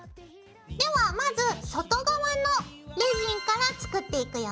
ではまず外側のレジンから作っていくよ。